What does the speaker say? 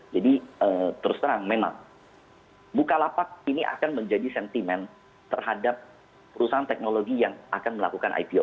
jadi terus terang memang bukalapak ini akan menjadi sentimen terhadap perusahaan teknologi yang akan melakukan ipo